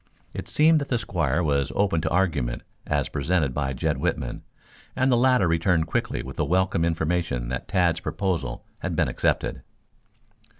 It seemed that the squire was open to argument as presented by Jed Whitman, and the latter returned quickly with the welcome information that Tad's proposal had been accepted.